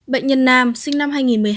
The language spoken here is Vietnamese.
bệnh nhân nam sinh năm hai nghìn một mươi hai